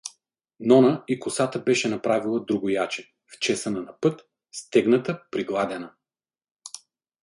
Нона и косата беше направила другояче: вчесана на път, стегнат пригладена.